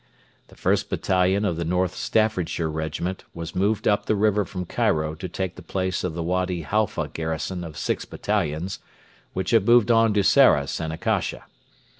The 1st Battalion of the North Staffordshire Regiment was moved up the river from Cairo to take the place of the Wady Halfa garrison of six battalions, which had moved on to Sarras and Akasha.